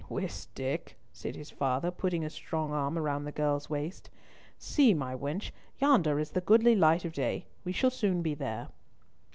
"Whist, Dick," said his father, putting a strong arm round the girl's waist. "See, my wench, yonder is the goodly light of day. We shall soon be there."